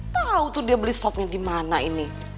tau tuh dia beli supnya dimana ini